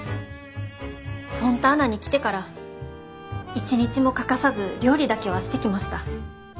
フォンターナに来てから一日も欠かさず料理だけはしてきました。